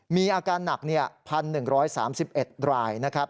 มีอาการหนัก๑๑๓๑รายนะครับ